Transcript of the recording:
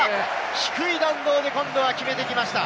低い弾道で今度は決めてきました！